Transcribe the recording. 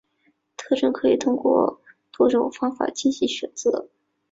特征可以通过多种方法进行选择。